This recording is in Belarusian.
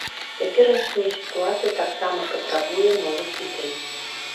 Цяперашняя сітуацыя таксама патрабуе новых ідэй.